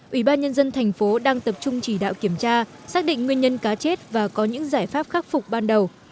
ủy ban nhân dân thành phố đang tập trung chỉ đạo kiểm tra xác định nguyên nhân cá chết và có những giải pháp khắc phục ban đầu